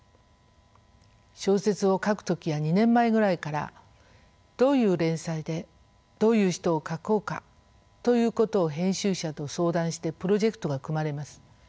小説を書く時は２年前ぐらいからどういう連載でどういう人を書こうかということを編集者と相談してプロジェクトが組まれます。